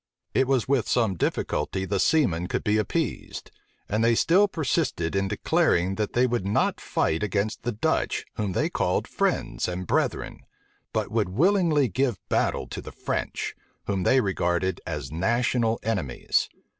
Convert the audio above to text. It was with some difficulty the seamen could be appeased; and they still persisted in declaring that they would not fight against the Dutch, whom they called friends and brethren; but would willingly give battle to the French, whom they regarded as national enemies.